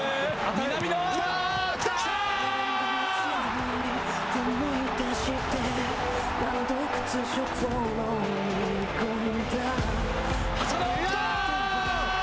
南野。